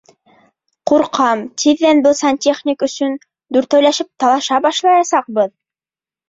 Ҡурҡам, тиҙҙән был сантехник өсөн дүртәүләшеп талаша башлаясаҡбыҙ!